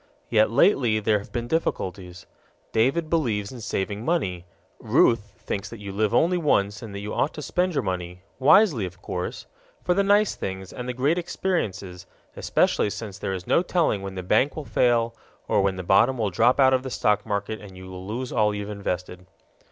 Yet lately there have been difficulties. David believes in saving money; Ruth thinks that you live only once and that you ought to spend your money wisely, of course for the nice things and the great experiences, especially since there is no telling when the bank will fail or when the bottom will drop out of the stock market and you will lose all you've invested.